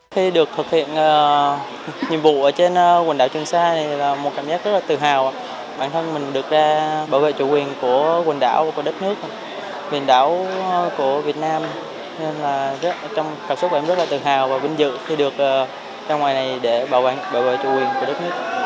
trong cảm xúc của em rất là tự hào và vinh dự khi được ra ngoài này để bảo vệ chủ quyền của đất nước